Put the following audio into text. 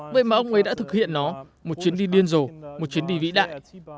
nơi mà ông ấy đã thực hiện nó một chuyến đi điên rồ một chuyến đi vĩ đại